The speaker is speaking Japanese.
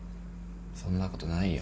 そんなことないよ。